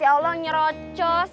ya allah nyerocos